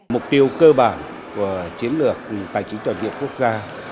mục tiêu cơ bản của chiến lược tài chính toàn điện quốc gia